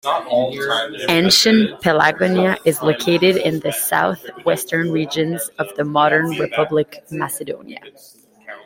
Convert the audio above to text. Ancient Pelagonia is located in the south-western regions of the modern Republic of Macedonia.